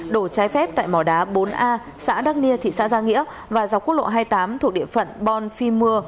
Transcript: đổ trái phép tại mò đá bốn a xã đắc nia thị xã giang nghĩa và dọc quốc lộ hai mươi tám thuộc địa phận bon phi mưa